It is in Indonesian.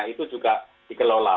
itu juga dikelola